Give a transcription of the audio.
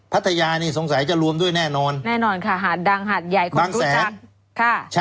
พัทยานี่สงสัยจะรวมด้วยแน่นอนแน่นอนค่ะหาดดังหาดใหญ่คนรู้จักค่ะ